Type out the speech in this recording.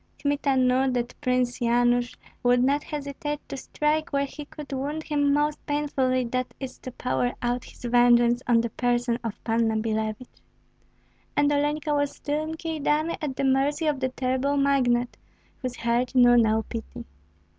Kmita knew that Prince Yanush would not hesitate to strike where he could wound him most painfully, that is, to pour out his vengeance on the person of Panna Billevich. And Olenka was still in Kyedani at the mercy of the terrible magnate, whose heart knew no pity.